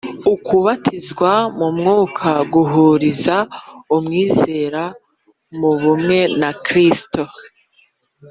Ukubatizwa mu Mwuka guhuriza umwizera mu bumwe na Kristo.